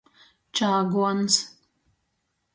Čāguons.